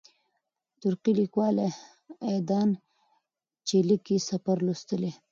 ترکی لیکوال ایدان چیلیک یې سفر لوستلی.